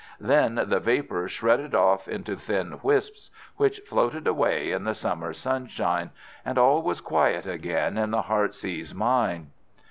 Then the vapour shredded off into thin wisps, which floated away in the summer sunshine, and all was quiet again in the Heartsease mine.